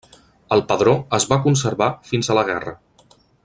El pedró es va conservar fins a la guerra.